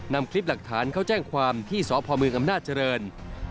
นำคลิปหลักฐานเข้าแจ้งความที่สพเมืองอำนาจเจริญ